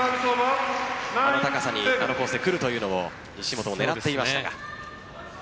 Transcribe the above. あの高さにあのコースで来るというのも西本は狙っていましたが。